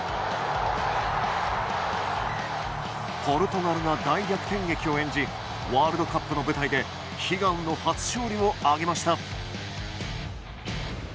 ポルトガルが大逆転劇を演じワールドカップの舞台で悲願の初勝利を挙げました。